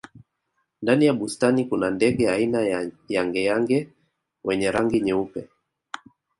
ndani ya bustani kuna ndege aina ya yangeyange wenye rangi nyeupe